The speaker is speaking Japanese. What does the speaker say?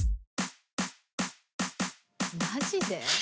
マジで？